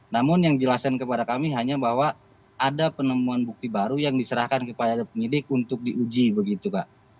namun yang jelaskan kepada kami hanya bahwa ada penemuan bukti baru yang diserahkan kepada penyidik untuk diuji begitu pak